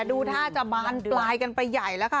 ดูท่าจะบานปลายกันไปใหญ่แล้วค่ะ